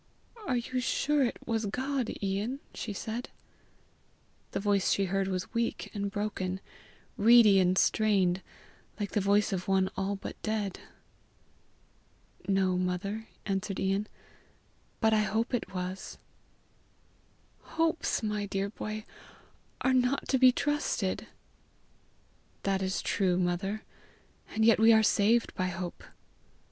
"Are you sure it was God, Ian?" she said. The voice she heard was weak and broken, reedy and strained, like the voice of one all but dead. "No, mother," answered Ian, "but I hope it was." "Hopes, my dear hoy, are not to be trusted." "That is true, mother; and yet we are saved by hope."